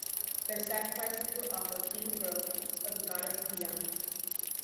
Their sacrifices were offered in the grove of the goddess Dia.